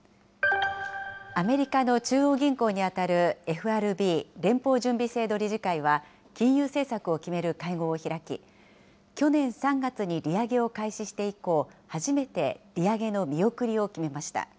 アメリカの中央銀行に当たるＦＲＢ・連邦準備制度理事会は、金融政策を決める会合を開き、去年３月に利上げを開始して以降、初めて利上げの見送りを決めました。